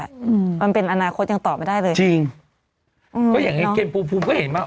อืมมันเป็นอนาคตยังตอบไม่ได้เลยจริงหรืออย่างงี้พูดพูดก็เห็นมา